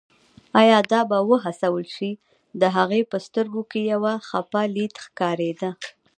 ایا دا به وهڅول شي، د هغې په سترګو کې یو خپه لید ښکارېده.